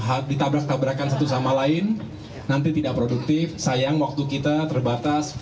kalau ditabrak tabrakan satu sama lain nanti tidak produktif sayang waktu kita terbatas